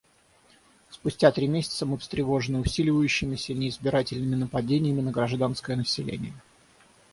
Спустя три месяца мы встревожены усиливающимися неизбирательными нападениями на гражданское население.